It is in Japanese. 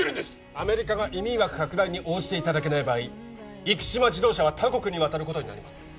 アメリカが移民枠拡大に応じていただけない場合生島自動車は他国に渡ることになります